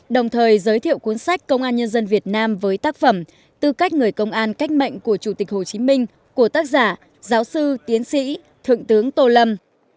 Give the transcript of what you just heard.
đồng thời giới thiệu cuốn sách công an nhân dân việt nam với tác phẩm tư cách người công an cách mệnh của chủ tịch hồ chí minh của tác giả giáo sư tiến sĩ thượng tướng tô lâm